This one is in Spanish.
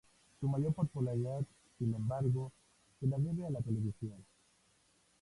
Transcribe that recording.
Su mayor popularidad, sin embargo, se la debe a la televisión.